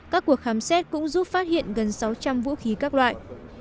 các cuộc khám xét cũng giúp phát hiện gần sáu trăm linh vũ khí các loại